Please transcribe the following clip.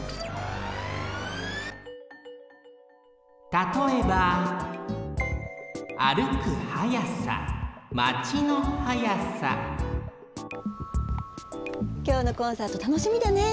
たとえばきょうのコンサートたのしみだね。